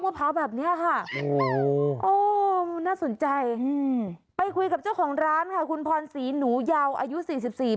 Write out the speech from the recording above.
ในการไปคุยกับเจ้าของร้านคุณพรษีหนูเยาว์๔๔ปี